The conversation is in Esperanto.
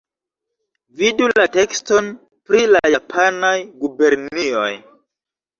Vidu la tekston pri la japanaj gubernioj.